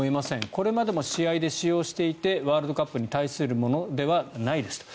これまでも試合で使用していてワールドカップに対するものではないですと。